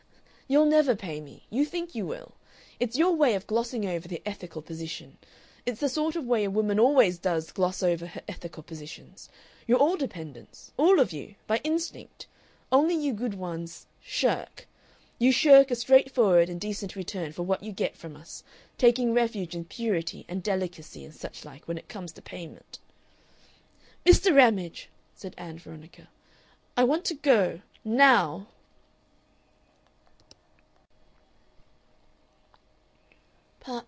"You'll never pay me. You think you will. It's your way of glossing over the ethical position. It's the sort of way a woman always does gloss over her ethical positions. You're all dependents all of you. By instinct. Only you good ones shirk. You shirk a straightforward and decent return for what you get from us taking refuge in purity and delicacy and such like when it comes to payment." "Mr. Ramage," said Ann Veronica, "I want to go NOW!"